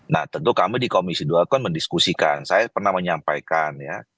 nah tentu kami di komisi dua kan mendiskusikan saya pernah menyampaikan ya